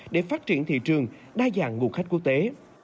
để phát triển thị trường đa dạng nguồn khách quốc tế